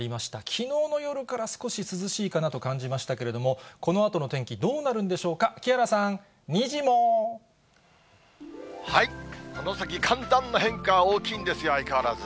きのうの夜から少し涼しいかなと感じましたけれども、このあとの天気、どうなるんでしょうか、木原さん、この先、寒暖の変化は大きいんですよ、相変わらず。